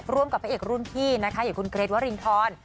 ร่วมกับพระเอกรุ่นพี่นะคะคุณเกรทวริงทร